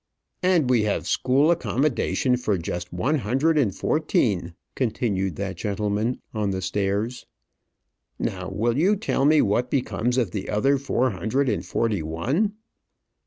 "And we have school accommodation for just one hundred and fourteen," continued that gentleman on the stairs. "Now, will you tell me what becomes of the other four hundred and forty one?"